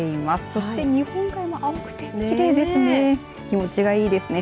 そして、日本海も青くてきれいですね。